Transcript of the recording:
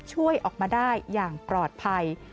ช่วยออกมาได้อย่างปลอดภัย